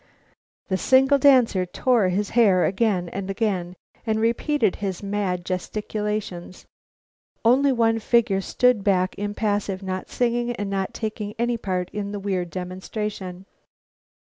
The single dancer tore his hair again and again, and repeated his mad gesticulations. Only one figure stood back impassive not singing and not taking any part in the weird demonstration.